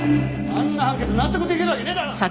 あんな判決納得できるわけねえだろう！